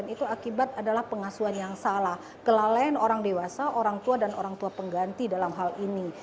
itu akibat adalah pengasuhan yang salah kelalaian orang dewasa orang tua dan orang tua pengganti dalam hal ini